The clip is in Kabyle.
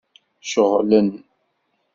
Ceɣlen.